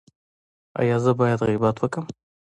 ایا زه باید غیبت وکړم؟